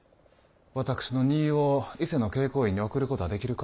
私の荷を伊勢の慶光院に送ることはできるか？